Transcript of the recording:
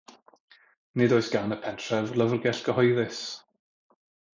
Nid oes gan y pentref lyfrgell gyhoeddus.